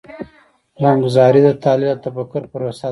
پلانګذاري د تحلیل او تفکر پروسه ده.